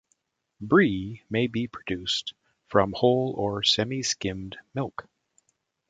Brie may be produced from whole or semi-skimmed milk.